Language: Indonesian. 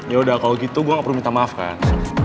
yaudah kalau gitu gue gak perlu minta maaf kan